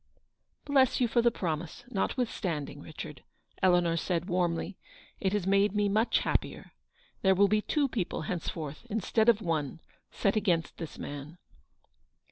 u Bless you for the promise, notwithstanding, Richard," Eleanor said, warmly. "It has made me much happier. There will be two people henceforth, instead of one, set against this man."